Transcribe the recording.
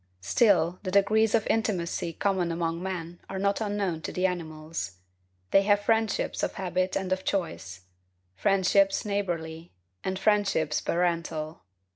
Still, the degrees of intimacy common among men are not unknown to the animals. They have friendships of habit and of choice; friendships neighborly, and friendships parental.